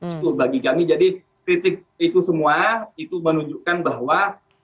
itu bagi kami jadi kritik itu semua itu menunjukkan bahwa